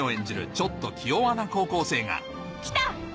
ちょっと気弱な高校生が来た！